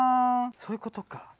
そういうことか。